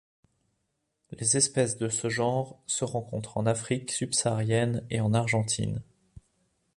Les espèces de ce genre se rencontrent en Afrique subsaharienne et en Argentine.